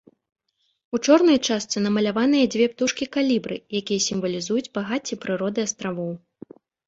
У чорнай частцы намаляваныя дзве птушкі калібры, якія сімвалізуюць багацце прыроды астравоў.